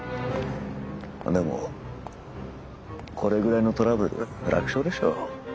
でもこれぐらいのトラブル楽勝でしょう。